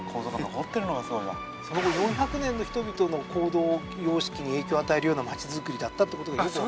その後４００年の人々の行動様式に影響を与えるような町づくりだったって事がよくわかりますよね。